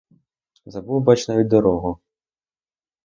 Забув, бач, навіть дорогу.